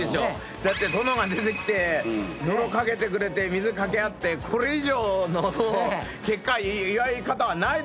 だって殿が出てきて泥掛けてくれて水掛け合ってこれ以上の祝い方はないでしょ。